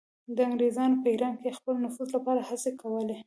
انګریزانو په ایران کې د خپل نفوذ لپاره هڅې کولې.